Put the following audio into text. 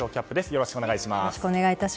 よろしくお願いします。